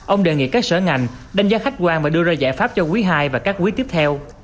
ông đề nghị các sở ngành đánh giá khách quan và đưa ra giải pháp cho quý ii và các quý tiếp theo